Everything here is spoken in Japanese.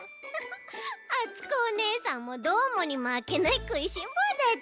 あつこおねえさんもどーもにまけないくいしんぼうだち。